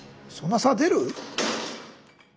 そんな差出る？